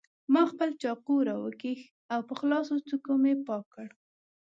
ما خپل چاقو راوکېښ او په خلاصو څوکو مې پاک کړ.